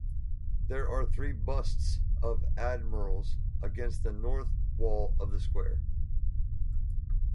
There are three busts of admirals against the north wall of the square.